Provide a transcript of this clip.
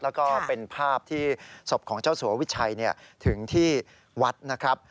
แล้วก็เป็นภาพที่ศพของเจ้าสัววิชัยถึงที่วัดนะครับ